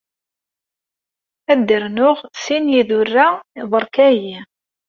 Ad d-rnuɣ sin n yidurra, berka-yi.